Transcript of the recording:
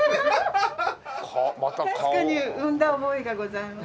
確かに産んだ覚えがございます。